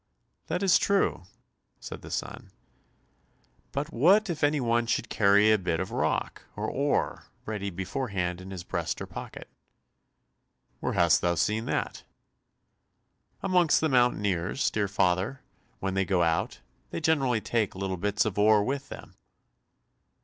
"That is true," said the son, "but what if any one should carry a bit of rock, or ore, ready beforehand in his breast or pocket?" "Where hast thou seen that?" "Among the mountaineers, dear father; when they go out, they generally take little bits of ore with them."